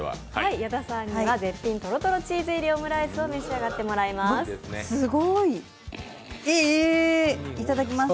矢田さんには絶品とろとろチーズ入りオムライスを召し上がっていただきます。